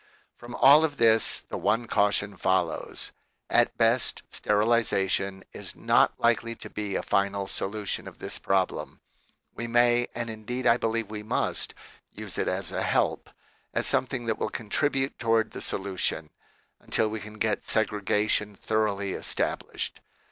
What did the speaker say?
From all of this the one caution follows. At best, sterilization is not likely to be a final solution of this problem. We may, and indeed I believe must, use it as a help, as something that will contribute toward the solution, until we can get segregation thoroughly es tablished.